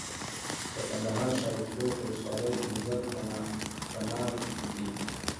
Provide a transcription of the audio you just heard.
د کندهار شاولیکوټ ولسوالۍ انځر په نام دي.